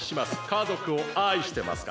家族を愛してますか？